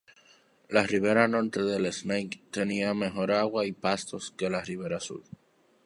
La ribera norte del Snake tenía mejor agua y pastos que la ribera sur.